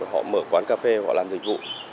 họ mở quán cà phê họ làm dịch vụ